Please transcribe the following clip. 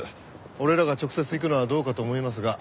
俺らが直接行くのはどうかと思いますが。